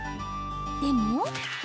でも。